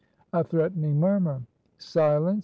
A threatening murmur. "Silence!